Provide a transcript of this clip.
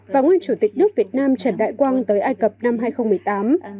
và nguyên chủ tịch nước việt nam trần đại quang tới ai cập năm hai nghìn một mươi tám